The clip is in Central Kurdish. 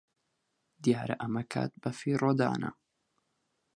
دیارە ئەمە کات بەفیڕۆدانە.